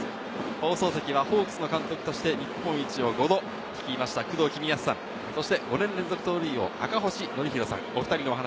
放送席はホークスの監督として、日本一を５度、工藤公康さん、そして５年連続盗塁王の赤星憲広さんです。